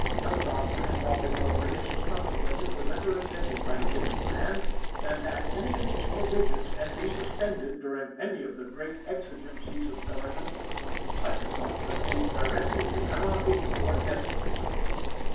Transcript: No doctrine, involving more pernicious consequences, was ever invented by the wit of man than that any of its provisions can be suspended during any of the great exigencies of government. Such a doctrine leads directly to anarchy or despotism."